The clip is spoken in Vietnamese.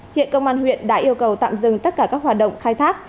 hiện công an huyện đã yêu cầu tạm dừng tất cả các hoạt động khai thác